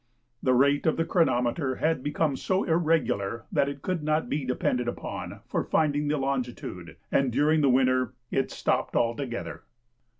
The rate of the chronometer had become so irregular that it could not be depended upon for finding the longitude, and during the winter it stopped altogether.